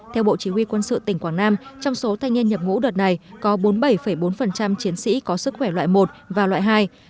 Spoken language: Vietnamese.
theo bộ chỉ huy quân sự tỉnh quảng nam trong số thanh niên nhập ngũ đợt này có bốn mươi bảy bốn chiến sĩ có sức khỏe loại một và loại hai